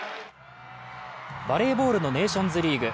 バレーボールのネーショングリーグ。